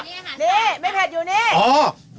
นี่ไม่เผ็ดอยู่นี่